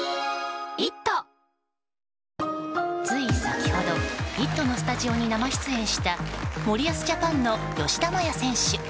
つい先ほど、「イット！」のスタジオに生出演した森保ジャパンの吉田麻也選手。